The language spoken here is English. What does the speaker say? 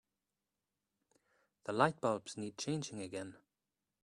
The lightbulbs need changing again.